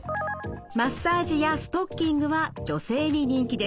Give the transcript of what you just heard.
マッサージやストッキングは女性に人気です。